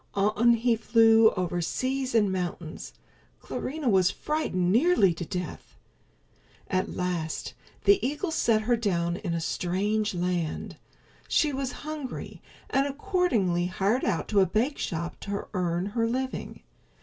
On he flew over seas and mountains. Clarinha was frightened nearly to death. At last the eagle set her down in a strange land. She was hungry, and, accordingly, hired out in a bakeshop to earn her living.